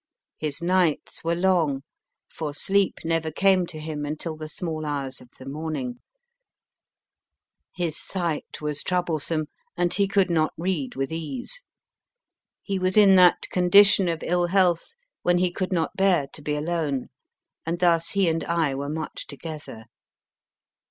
His nights were long, for sleep never came to him until the small hours of the THIRLMERE morning ; his sight was troublesome, and he could not read with ease ; he was in that condition of ill health when he could not bear to be alone, and thus he and I were much together.